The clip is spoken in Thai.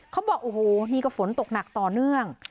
เขาบอกโอ้โหนี่ก็ฝนตกหนักต่อเนื่อง